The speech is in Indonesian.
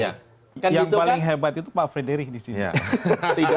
yang paling hebat itu pak friderich disini